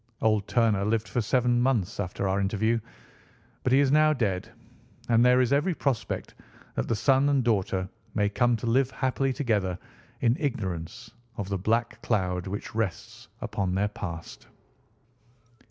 Old Turner lived for seven months after our interview, but he is now dead; and there is every prospect that the son and daughter may come to live happily together in ignorance of the black cloud which rests upon their past.